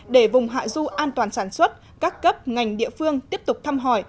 để vùng hạ du an toàn sản xuất các cấp ngành địa phương tiếp tục thăm hỏi